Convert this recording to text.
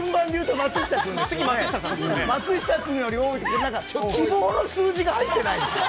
松下さんより多いって、希望の数字が入ってないですか？